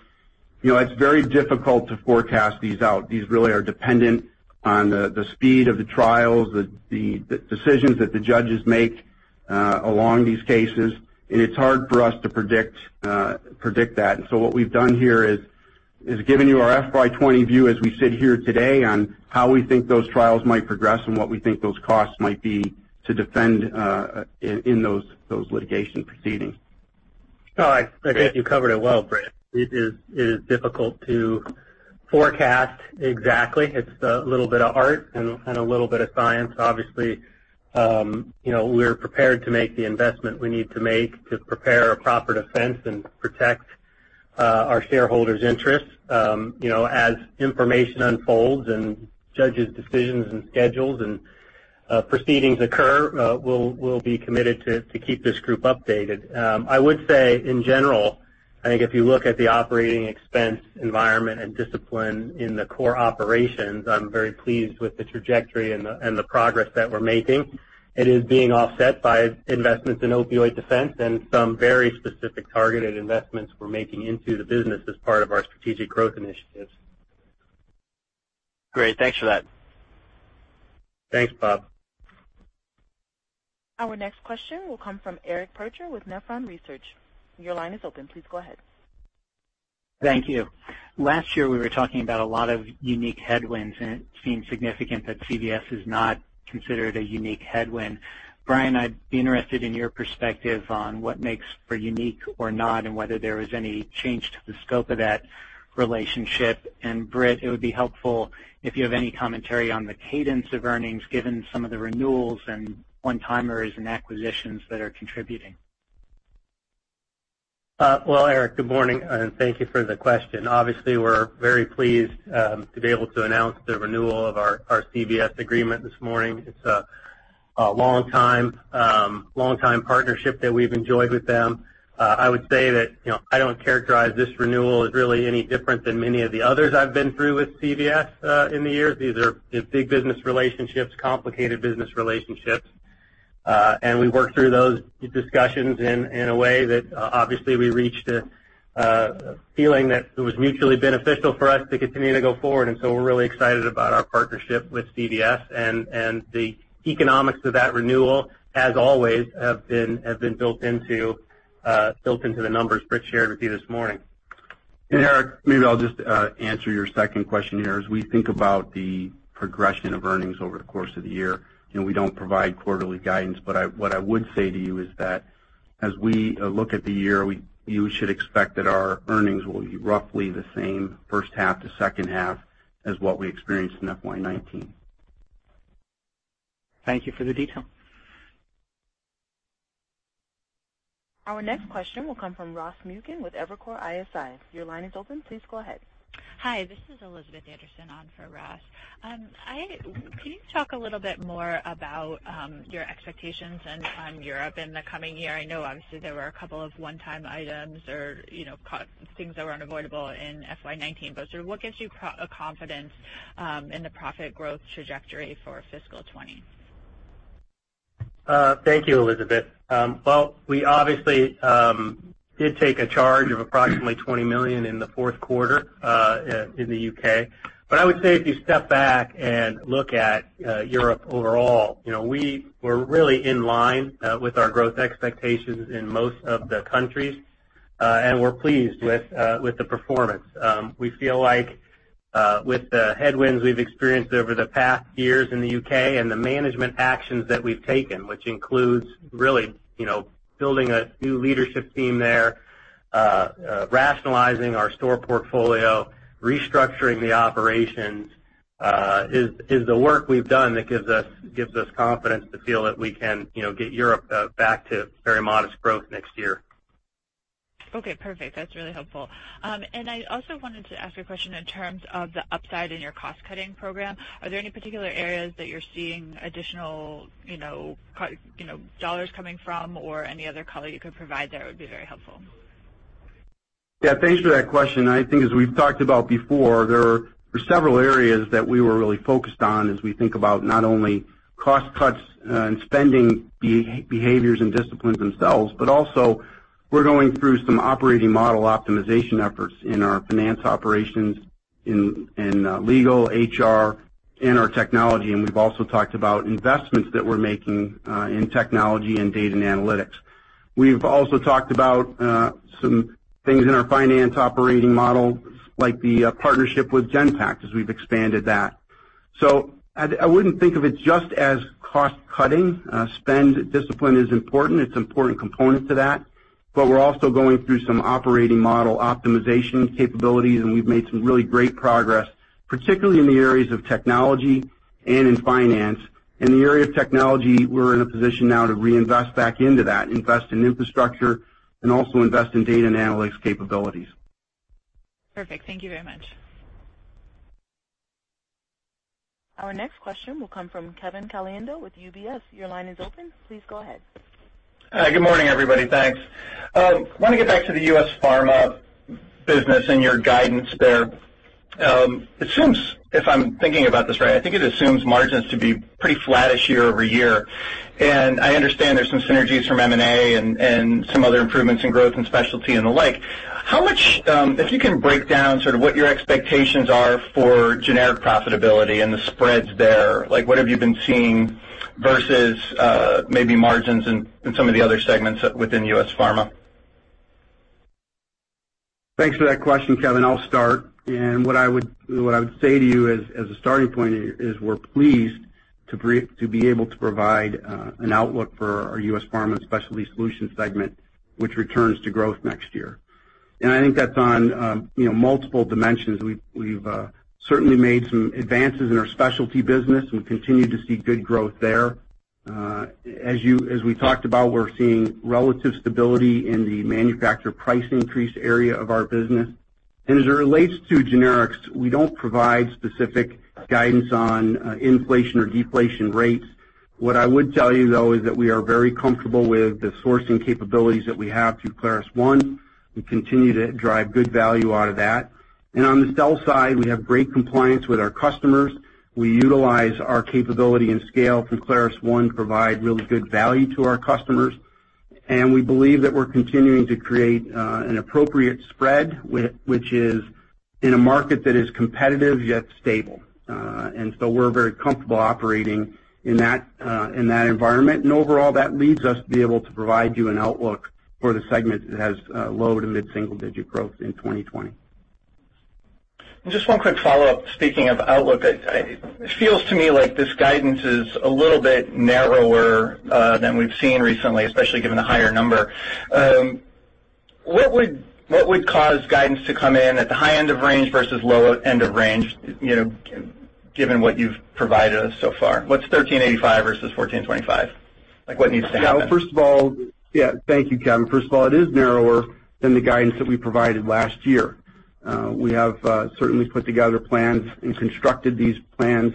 D: It's very difficult to forecast these out. These really are dependent on the speed of the trials, the decisions that the judges make along these cases, and it's hard for us to predict that. What we've done here is given you our FY 2020 view as we sit here today on how we think those trials might progress and what we think those costs might be to defend in those litigation proceedings.
C: I think you covered it well, Britt. It is difficult to forecast exactly. It's a little bit of art and a little bit of science. Obviously, we're prepared to make the investment we need to make to prepare a proper defense and protect our shareholders' interests. As information unfolds and judges' decisions and schedules and proceedings occur, we'll be committed to keep this group updated. I would say, in general, I think if you look at the operating expense environment and discipline in the core operations, I'm very pleased with the trajectory and the progress that we're making. It is being offset by investments in opioid defense and some very specific targeted investments we're making into the business as part of our strategic growth initiatives.
E: Great. Thanks for that.
C: Thanks, Bob.
A: Our next question will come from Eric Percher with Nephron Research. Your line is open. Please go ahead.
F: Thank you. Last year, we were talking about a lot of unique headwinds, and it seems significant that CVS is not considered a unique headwind. Brian, I'd be interested in your perspective on what makes for unique or not and whether there was any change to the scope of that relationship. Britt, it would be helpful if you have any commentary on the cadence of earnings, given some of the renewals and one-timers and acquisitions that are contributing.
C: Good morning. Thank you for the question. We're very pleased to be able to announce the renewal of our CVS agreement this morning. It's a long-time partnership that we've enjoyed with them. I would say that I don't characterize this renewal as really any different than many of the others I've been through with CVS in the years. These are big business relationships, complicated business relationships. We worked through those discussions in a way that we reached a feeling that it was mutually beneficial for us to continue to go forward. We're really excited about our partnership with CVS. The economics of that renewal, as always, have been built into the numbers Britt shared with you this morning.
D: Eric, maybe I'll just answer your second question here. As we think about the progression of earnings over the course of the year, we don't provide quarterly guidance. What I would say to you is that as we look at the year, you should expect that our earnings will be roughly the same first half to second half as what we experienced in FY 2019.
F: Thank you for the detail.
A: Our next question will come from Ross Muken with Evercore ISI. Your line is open. Please go ahead.
G: Hi, this is Elizabeth Anderson on for Ross. Can you talk a little bit more about your expectations on Europe in the coming year? I know, obviously, there were a couple of one-time items or things that were unavoidable in FY 2019, but sort of what gives you confidence in the profit growth trajectory for fiscal 2020?
C: Thank you, Elizabeth. Well, we obviously did take a charge of approximately $20 million in the fourth quarter in the U.K. I would say if you step back and look at Europe overall, we were really in line with our growth expectations in most of the countries. We're pleased with the performance. We feel like with the headwinds we've experienced over the past years in the U.K. and the management actions that we've taken, which includes really building a new leadership team there, rationalizing our store portfolio, restructuring the operations, is the work we've done that gives us confidence to feel that we can get Europe back to very modest growth next year.
G: Okay, perfect. That's really helpful. I also wanted to ask you a question in terms of the upside in your cost-cutting program. Are there any particular areas that you're seeing additional dollars coming from or any other color you could provide there would be very helpful.
D: Yeah, thanks for that question. I think as we've talked about before, there are several areas that we were really focused on as we think about not only cost cuts and spending behaviors and disciplines themselves, but also, we're going through some operating model optimization efforts in our finance operations, in legal, HR, in our technology, and we've also talked about investments that we're making in technology and data and analytics. We've also talked about some things in our finance operating model, like the partnership with Genpact, as we've expanded that. I wouldn't think of it just as cost-cutting. Spend discipline is important. It's an important component to that. We're also going through some operating model optimization capabilities, and we've made some really great progress, particularly in the areas of technology and in finance. In the area of technology, we're in a position now to reinvest back into that, invest in infrastructure, and also invest in data and analytics capabilities.
G: Perfect. Thank you very much.
A: Our next question will come from Kevin Caliendo with UBS. Your line is open. Please go ahead.
H: Hi. Good morning, everybody. Thanks. I want to get back to the U.S. Pharma business and your guidance there. If I'm thinking about this right, I think it assumes margins to be pretty flattish year-over-year. I understand there's some synergies from M&A and some other improvements in growth and specialty and the like. If you can break down sort of what your expectations are for generic profitability and the spreads there, like what have you been seeing versus maybe margins in some of the other segments within U.S. Pharma?
D: Thanks for that question, Kevin. I'll start. What I would say to you as a starting point is we're pleased to be able to provide an outlook for our U.S. Pharmaceutical and Specialty Solutions segment, which returns to growth next year. I think that's on multiple dimensions. We've certainly made some advances in our specialty business. We continue to see good growth there. As we talked about, we're seeing relative stability in the manufacturer price increase area of our business. As it relates to generics, we don't provide specific guidance on inflation or deflation rates. What I would tell you, though, is that we are very comfortable with the sourcing capabilities that we have through ClarusONE. We continue to drive good value out of that. On the sell side, we have great compliance with our customers. We utilize our capability and scale through ClarusONE, provide really good value to our customers. We believe that we're continuing to create an appropriate spread, which is in a market that is competitive, yet stable. We're very comfortable operating in that environment. Overall, that leads us to be able to provide you an outlook for the segment that has low to mid-single-digit growth in 2020.
H: Just one quick follow-up, speaking of outlook. It feels to me like this guidance is a little bit narrower than we've seen recently, especially given the higher number. What would cause guidance to come in at the high end of range versus low end of range, given what you've provided us so far? What's $13.85 versus $14.25? Like, what needs to happen?
D: Yeah. Thank you, Kevin. First of all, it is narrower than the guidance that we provided last year. We have certainly put together plans and constructed these plans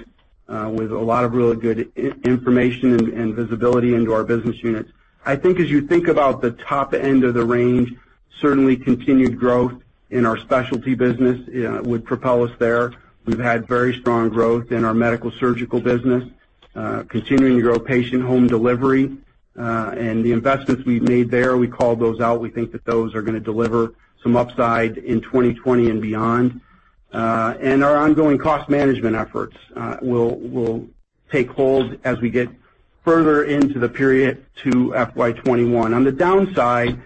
D: with a lot of really good information and visibility into our business units. I think as you think about the top end of the range, certainly continued growth in our specialty business would propel us there. We've had very strong growth in our Medical-Surgical Solutions business, continuing to grow patient home delivery. The investments we've made there, we called those out. We think that those are going to deliver some upside in 2020 and beyond. Our ongoing cost management efforts will take hold as we get further into the period to FY 2021. On the downside,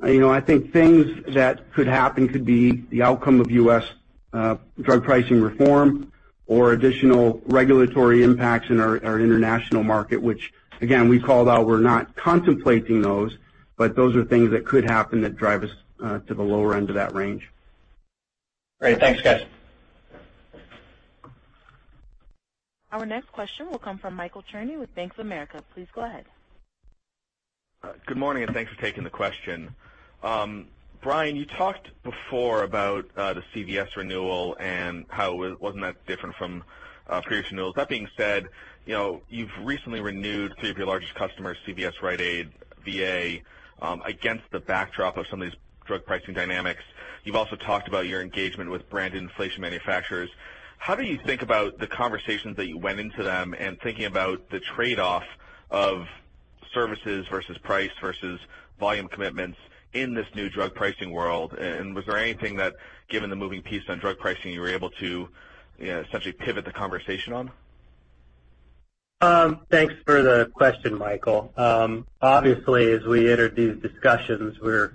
D: I think things that could happen could be the outcome of U.S. drug pricing reform or additional regulatory impacts in our international market, which again, we called out. We're not contemplating those, but those are things that could happen that drive us to the lower end of that range.
H: Great. Thanks, guys.
A: Our next question will come from Michael Cherny with Bank of America. Please go ahead.
I: Good morning. Thanks for taking the question. Brian, you talked before about the CVS renewal and how it wasn't that different from previous renewals. That being said, you've recently renewed three of your largest customers, CVS, Rite Aid, VA, against the backdrop of some of these drug pricing dynamics. You've also talked about your engagement with brand inflation manufacturers. How do you think about the conversations that you went into them and thinking about the trade-off of services versus price versus volume commitments in this new drug pricing world? Was there anything that, given the moving piece on drug pricing, you were able to essentially pivot the conversation on?
C: Thanks for the question, Michael. Obviously, as we entered these discussions, we're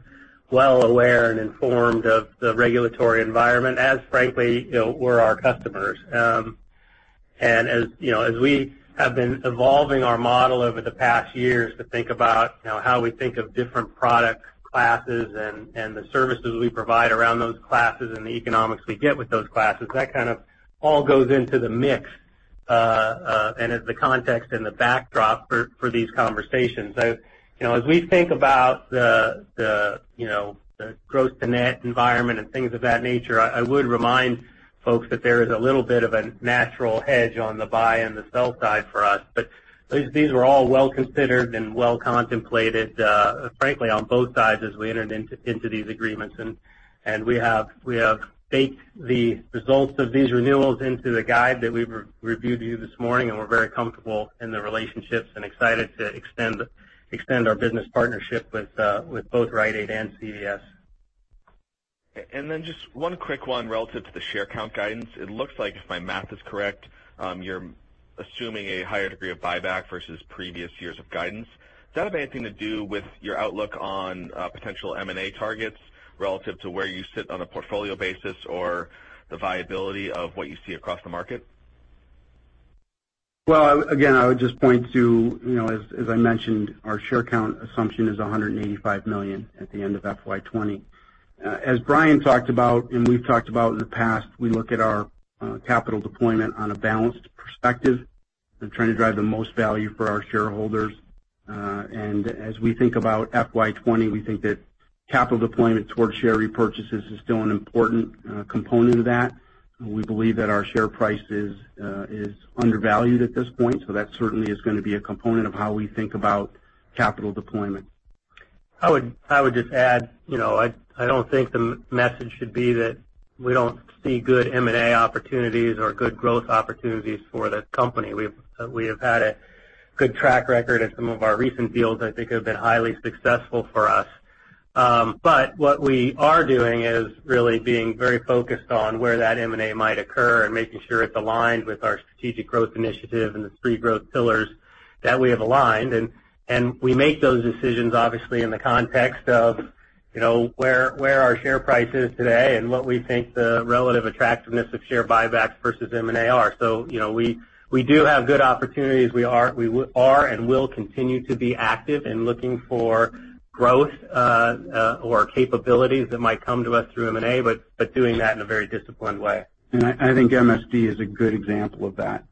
C: well aware and informed of the regulatory environment as, frankly, were our customers. As we have been evolving our model over the past years to think about how we think of different product classes and the services we provide around those classes and the economics we get with those classes, that kind of all goes into the mix, and as the context and the backdrop for these conversations. As we think about the gross-to-net environment and things of that nature, I would remind folks that there is a little bit of a natural hedge on the buy and the sell side for us. These were all well-considered and well-contemplated, frankly, on both sides as we entered into these agreements. We have baked the results of these renewals into the guide that we reviewed to you this morning, and we're very comfortable in the relationships and excited to extend our business partnership with both Rite Aid and CVS.
I: Okay. Then just one quick one relative to the share count guidance. It looks like, if my math is correct, you're assuming a higher degree of buyback versus previous years of guidance. Does that have anything to do with your outlook on potential M&A targets relative to where you sit on a portfolio basis or the viability of what you see across the market?
D: Well, again, I would just point to, as I mentioned, our share count assumption is 185 million at the end of FY 2020. As Brian talked about and we've talked about in the past, we look at our capital deployment on a balanced perspective and trying to drive the most value for our shareholders. As we think about FY 2020, we think that capital deployment towards share repurchases is still an important component of that. We believe that our share price is undervalued at this point. That certainly is going to be a component of how we think about capital deployment.
C: I would just add, I don't think the message should be that we don't see good M&A opportunities or good growth opportunities for the company. We have had a good track record, and some of our recent deals, I think, have been highly successful for us. What we are doing is really being very focused on where that M&A might occur and making sure it's aligned with our strategic growth initiative and the three growth pillars that we have aligned. We make those decisions, obviously, in the context of where our share price is today and what we think the relative attractiveness of share buybacks versus M&A are. We do have good opportunities. We are and will continue to be active in looking for growth, or capabilities that might come to us through M&A, but doing that in a very disciplined way.
D: I think MSD is a good example of that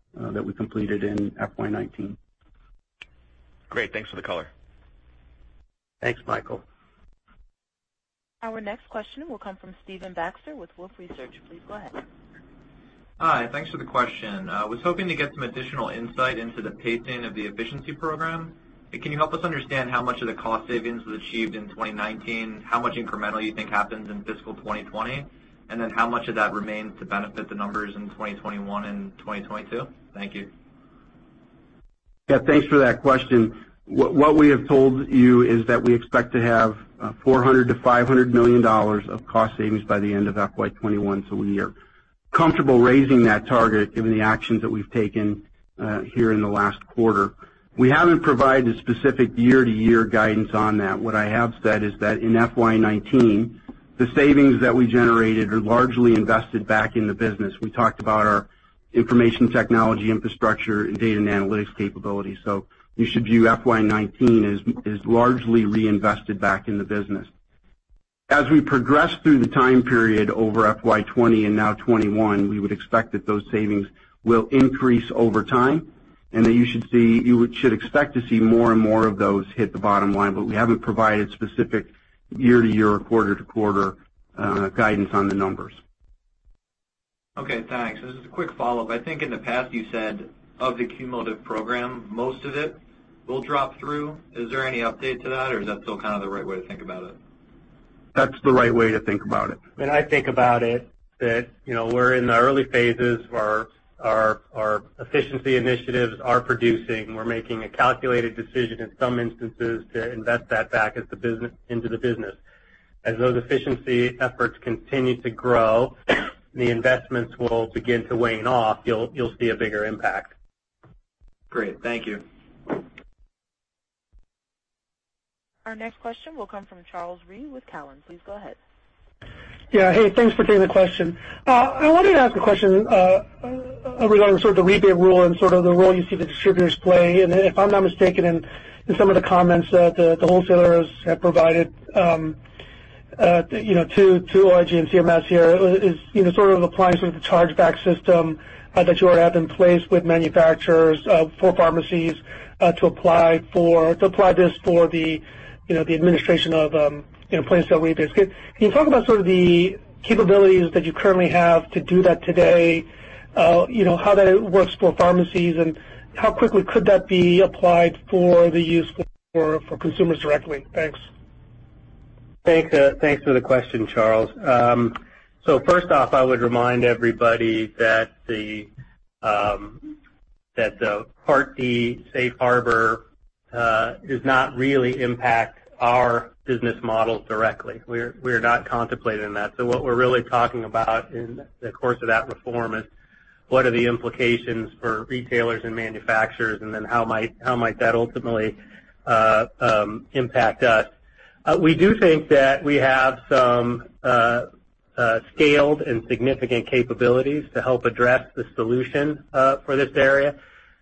D: we completed in FY 2019.
I: Great. Thanks for the color.
C: Thanks, Michael.
A: Our next question will come from Stephen Baxter with Wolfe Research. Please go ahead.
J: Hi. Thanks for the question. I was hoping to get some additional insight into the pacing of the efficiency program. Can you help us understand how much of the cost savings was achieved in 2019, how much incremental you think happens in fiscal 2020, and then how much of that remains to benefit the numbers in 2021 and 2022? Thank you.
D: Yeah, thanks for that question. What we have told you is that we expect to have $400 million-$500 million of cost savings by the end of FY 2021. We are comfortable raising that target given the actions that we've taken here in the last quarter. We haven't provided specific year-to-year guidance on that. What I have said is that in FY 2019, the savings that we generated are largely invested back in the business. We talked about our information technology infrastructure and data and analytics capabilities. You should view FY 2019 as largely reinvested back in the business. As we progress through the time period over FY 2020 and now 2021, we would expect that those savings will increase over time, and that you should expect to see more and more of those hit the bottom line, we haven't provided specific year-to-year or quarter-to-quarter guidance on the numbers.
J: Okay, thanks. This is a quick follow-up. I think in the past you said of the cumulative program, most of it will drop through. Is there any update to that, or is that still the right way to think about it?
D: That's the right way to think about it.
C: I'd think about it that, we're in the early phases where our efficiency initiatives are producing. We're making a calculated decision in some instances to invest that back into the business. As those efficiency efforts continue to grow, the investments will begin to wane off. You'll see a bigger impact.
J: Great. Thank you.
A: Our next question will come from Charles Rhyee with Cowen. Please go ahead.
K: Yeah. Hey, thanks for taking the question. I wanted to ask a question regarding sort of the rebate rule and sort of the role you see the distributors play. If I'm not mistaken, in some of the comments that the wholesalers have provided to OIG and CMS here is, sort of applying some of the chargeback system that you already have in place with manufacturers for pharmacies, to apply this for the administration of point-of-sale rebates. Can you talk about the capabilities that you currently have to do that today, how that works for pharmacies, and how quickly could that be applied for the use for consumers directly? Thanks.
C: Thanks for the question, Charles. First off, I would remind everybody that the Part D safe harbor does not really impact our business model directly. We're not contemplating that. What we're really talking about in the course of that reform is what are the implications for retailers and manufacturers, and then how might that ultimately impact us. We do think that we have some scaled and significant capabilities to help address the solution for this area.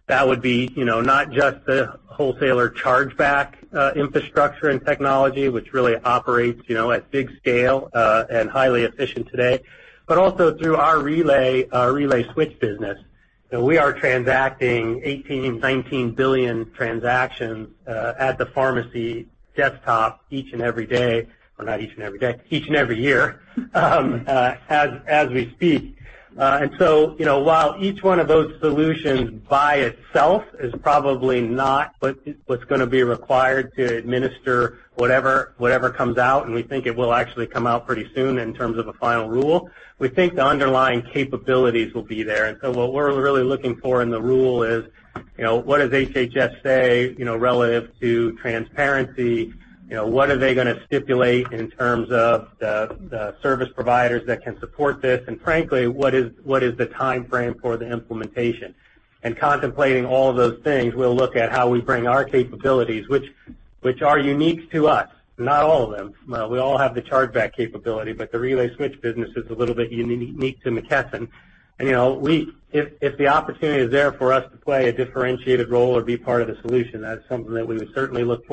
C: That would be not just the wholesaler chargeback infrastructure and technology, which really operates at big scale and highly efficient today, but also through our RelaySwitch business. We are transacting $18 billion-$19 billion transactions at the pharmacy desktop each and every day, or not each and every day, each and every year, as we speak. While each one of those solutions by itself is probably not what's going to be required to administer whatever comes out, and we think it will actually come out pretty soon in terms of a final rule, we think the underlying capabilities will be there. What we're really looking for in the rule is, what does HHS say relative to transparency? What are they going to stipulate in terms of the service providers that can support this, and frankly, what is the timeframe for the implementation? Contemplating all of those things, we'll look at how we bring our capabilities, which are unique to us. Not all of them. We all have the chargeback capability, but the RelaySwitch business is a little bit unique to McKesson. If the opportunity is there for us to play a differentiated role or be part of the solution, that's something that we would certainly look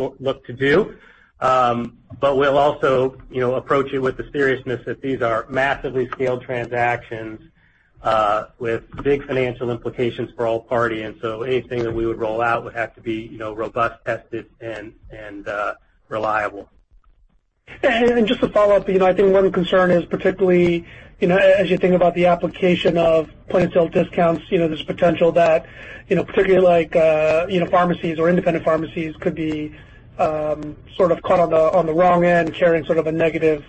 C: to do. We'll also approach it with the seriousness that these are massively scaled transactions, with big financial implications for all parties, and so anything that we would roll out would have to be robust, tested, and reliable.
K: Just to follow up, I think one concern is particularly, as you think about the application of point-of-sale discounts, there's potential that, particularly pharmacies or independent pharmacies could be caught on the wrong end carrying a negative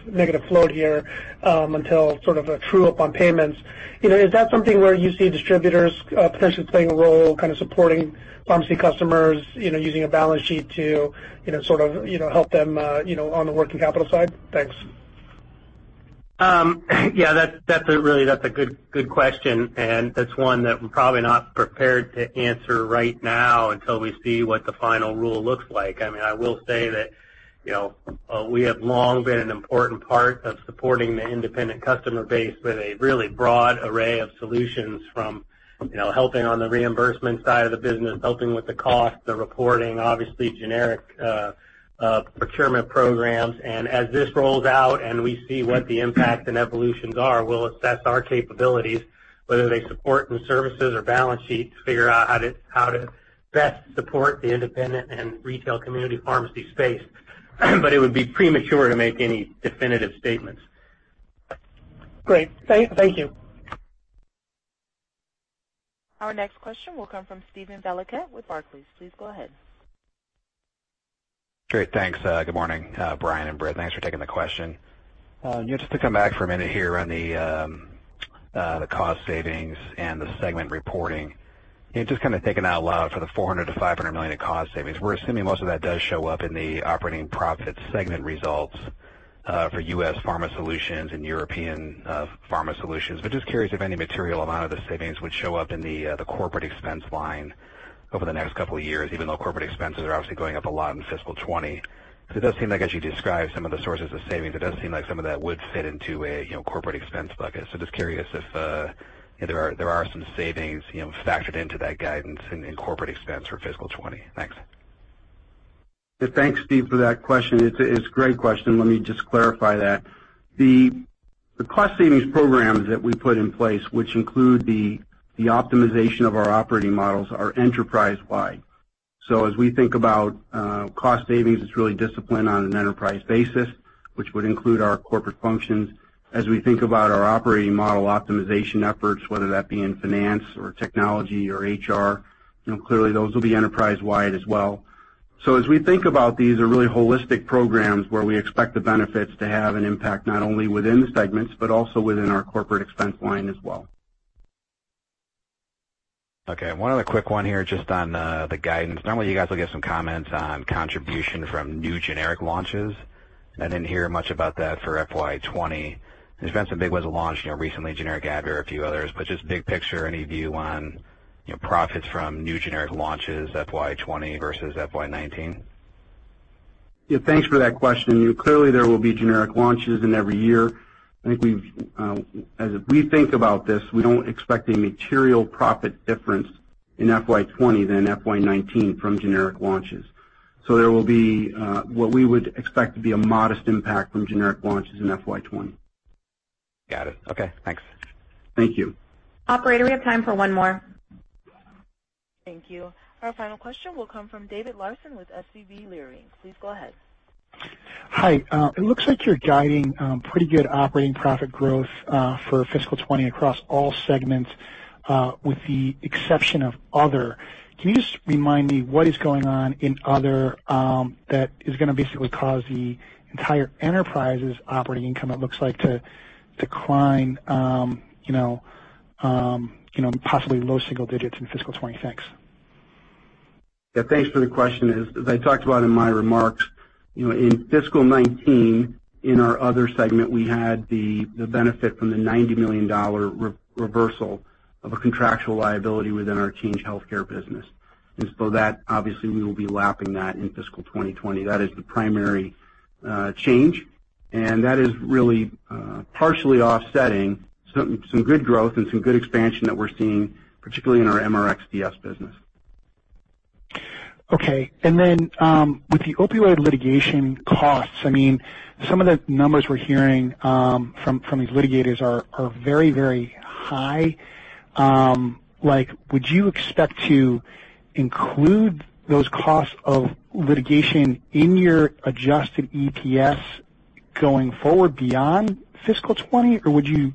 K: float here, until a true-up on payments. Is that something where you see distributors potentially playing a role, supporting pharmacy customers, using a balance sheet to help them on the working capital side? Thanks.
C: Yeah, that's a good question, and that's one that we're probably not prepared to answer right now until we see what the final rule looks like. I will say that we have long been an important part of supporting the independent customer base with a really broad array of solutions from helping on the reimbursement side of the business, helping with the cost, the reporting, obviously generic procurement programs. As this rolls out and we see what the impact and evolutions are, we'll assess our capabilities, whether they support new services or balance sheet to figure out how to best support the independent and retail community pharmacy space. It would be premature to make any definitive statements.
K: Great. Thank you.
A: Our next question will come from Steven Valiquette with Barclays. Please go ahead.
L: Great. Thanks. Good morning, Brian and Britt. Thanks for taking the question. Just to come back for a minute here on the cost savings and the segment reporting. Just kind of thinking out loud for the $400 million-$500 million of cost savings, we're assuming most of that does show up in the operating profit segment results for U.S. Pharma Solutions and European Pharma Solutions, but just curious if any material amount of the savings would show up in the corporate expense line over the next couple of years, even though corporate expenses are obviously going up a lot in fiscal 2020. It does seem like, as you describe some of the sources of savings, it does seem like some of that would fit into a corporate expense bucket. Just curious if there are some savings factored into that guidance in corporate expense for fiscal 2020. Thanks.
D: Thanks, Steve, for that question. It's a great question. Let me just clarify that. The cost savings programs that we put in place, which include the optimization of our operating models, are enterprise-wide. As we think about cost savings, it's really disciplined on an enterprise basis, which would include our corporate functions. As we think about our operating model optimization efforts, whether that be in finance or technology or HR, clearly those will be enterprise-wide as well. As we think about these, they're really holistic programs where we expect the benefits to have an impact, not only within the segments, but also within our corporate expense line as well.
L: Okay. One other quick one here, just on the guidance. Normally, you guys will give some comments on contribution from new generic launches. I didn't hear much about that for FY 2020. There's been some big ones that launched recently, generic Advair, a few others. Just big picture, any view on profits from new generic launches FY 2020 versus FY 2019?
D: Yeah. Thanks for that question. Clearly, there will be generic launches in every year. As we think about this, we don't expect a material profit difference in FY 2020 than FY 2019 from generic launches. There will be what we would expect to be a modest impact from generic launches in FY 2020.
L: Got it. Okay, thanks.
D: Thank you.
B: Operator, we have time for one more.
A: Thank you. Our final question will come from David Larsen with SVB Leerink. Please go ahead.
M: Hi. It looks like you're guiding pretty good operating profit growth for fiscal 2020 across all segments with the exception of other. Can you just remind me what is going on in other that is going to basically cause the entire enterprise's operating income, it looks like, to decline possibly low single digits in fiscal 2020? Thanks.
D: Yeah, thanks for the question. As I talked about in my remarks, in fiscal 2019, in our other segment, we had the benefit from the $90 million reversal of a contractual liability within our Change Healthcare business. That, obviously, we will be lapping that in fiscal 2020. That is the primary change, and that is really partially offsetting some good growth and some good expansion that we're seeing, particularly in our MRxTS business.
M: Okay. With the opioid litigation costs, some of the numbers we're hearing from these litigators are very high. Would you expect to include those costs of litigation in your adjusted EPS going forward beyond fiscal 2020? Would you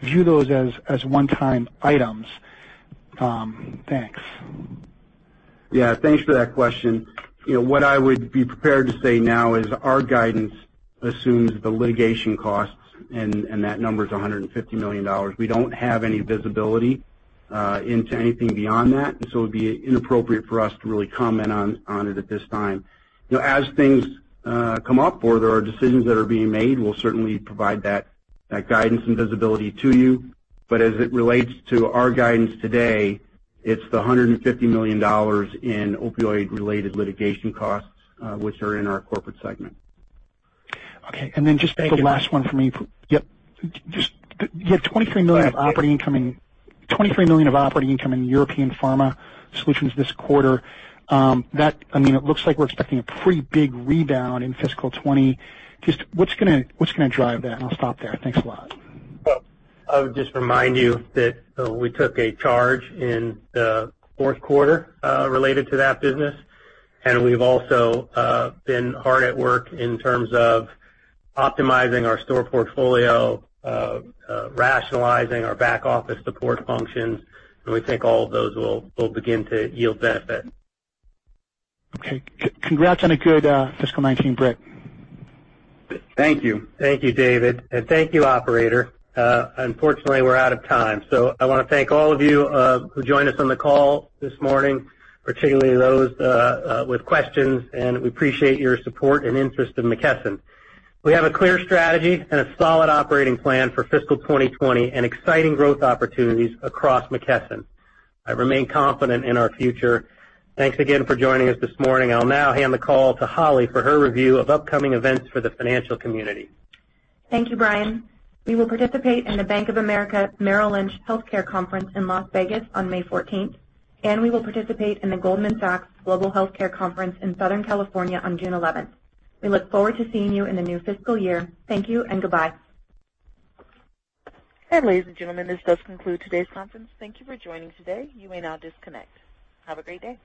M: view those as one-time items? Thanks.
D: Yeah, thanks for that question. What I would be prepared to say now is our guidance assumes the litigation costs, and that number is $150 million. It'd be inappropriate for us to really comment on it at this time. As things come up or there are decisions that are being made, we'll certainly provide that guidance and visibility to you. As it relates to our guidance today, it's the $150 million in opioid-related litigation costs, which are in our corporate segment.
M: Okay. Just the last one for me.
D: Yep.
M: You had $23 million.
D: Go ahead.
M: of operating income in European Pharmaceutical Solutions this quarter. It looks like we're expecting a pretty big rebound in fiscal 2020. Just what's going to drive that? I'll stop there. Thanks a lot.
D: I would just remind you that we took a charge in the fourth quarter related to that business, and we've also been hard at work in terms of optimizing our store portfolio, rationalizing our back office support functions, and we think all of those will begin to yield benefit.
M: Okay. Congrats on a good fiscal 2019, Britt.
D: Thank you. Thank you, David. Thank you, operator. Unfortunately, we're out of time, I want to thank all of you who joined us on the call this morning, particularly those with questions, and we appreciate your support and interest in McKesson. We have a clear strategy and a solid operating plan for fiscal 2020 and exciting growth opportunities across McKesson. I remain confident in our future. Thanks again for joining us this morning. I'll now hand the call to Holly for her review of upcoming events for the financial community.
B: Thank you, Brian. We will participate in the Bank of America Merrill Lynch Healthcare Conference in Las Vegas on May 14th, we will participate in the Goldman Sachs Global Healthcare Conference in Southern California on June 11th. We look forward to seeing you in the new fiscal year. Thank you and goodbye.
A: Ladies and gentlemen, this does conclude today's conference. Thank you for joining today. You may now disconnect. Have a great day.